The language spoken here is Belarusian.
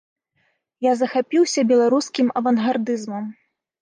Я захапіўся беларускім авангардызмам.